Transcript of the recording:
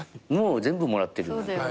もう全部もらってる。